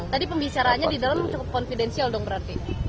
tadi pembicaraannya di dalam cukup confidensial dong berarti